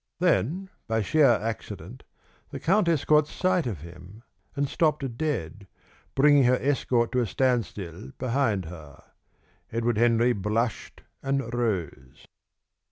Then, by sheer accident, the countess caught sight of him, and stopped dead, bringing her escort to a standstill behind her. Edward Henry blushed and rose.